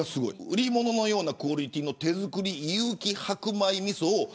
売り物のようなクオリティーの手作り有機白米みそを。